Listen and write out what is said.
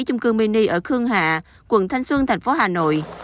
trung cương mini ở khương hạ quận thanh xuân thành phố hà nội